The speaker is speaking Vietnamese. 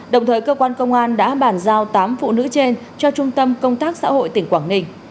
đồng thời cơ quan công an đã bàn giao tám phụ nữ trên cho trung tâm công tác xã hội tỉnh quảng ninh